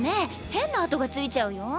変な跡がついちゃうよ。